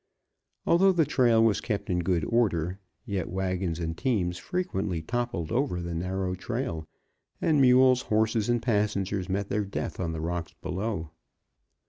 Although the trail was kept in good order, yet wagons and teams frequently toppled over the narrow trail, and mules, horses and passengers met their death on the rocks below.